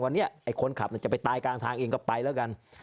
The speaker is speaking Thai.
วันนี้ไอ้คนขับจะไปตายกลางทางเองก็ไปแล้วกัน